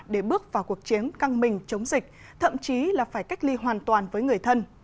để bước vào cuộc chiến căng mình chống dịch thậm chí là phải cách ly hoàn toàn với người thân